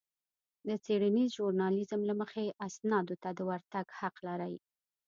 د څېړنيز ژورنالېزم له مخې اسنادو ته د ورتګ حق لرئ.